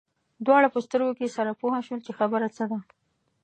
دواړه په سترګو کې سره پوه شول چې خبره څه ده.